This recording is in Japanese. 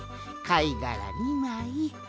かいがら２まい。